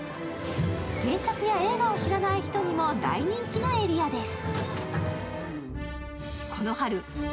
原作や映画を知らない人にも大人気のエリアです。